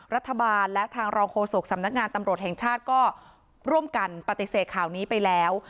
รัฐบาลและทางรองโฆษกสำนักงานตำรวจแห่งชาติก็ร่วมกันปฏิเสธข่าวนี้ไปแล้ว